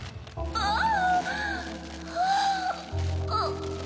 ああ。